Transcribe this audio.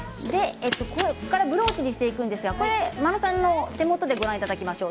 ブローチにしていくんですが眞野さんの手元でご覧いただきましょう。